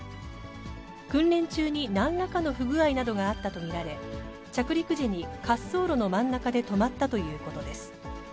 訓練中になんらかの不具合などがあったと見られ、着陸時に滑走路の真ん中で止まったということです。